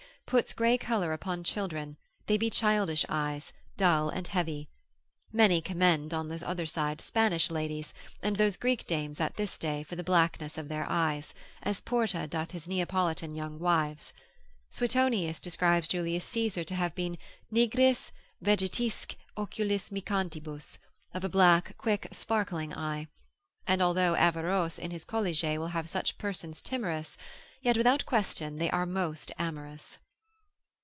puts grey colour upon children, they be childish eyes, dull and heavy. Many commend on the other side Spanish ladies, and those Greek dames at this day, for the blackness of their eyes, as Porta doth his Neapolitan young wives. Suetonius describes Julius Caesar to have been nigris vegetisque oculis micantibus, of a black quick sparkling eye: and although Averroes in his Colliget will have such persons timorous, yet without question they are most amorous.